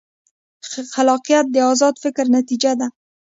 خلاقیت د ازاد فکر نتیجه ده.